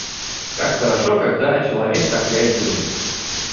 Как хорошо, когда человек так реагирует.